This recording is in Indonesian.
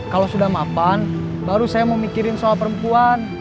kalau sudah mapan baru saya mau mikirin soal perempuan